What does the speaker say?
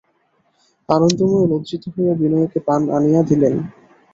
আনন্দময়ী লজ্জিত হইয়া বিনয়কে পান আনিয়া দিলেন।